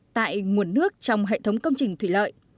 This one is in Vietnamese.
tại nguồn nước trong hệ thống công trình thủy lợi